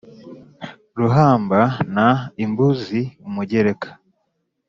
ruhamba na imbuzi umugereka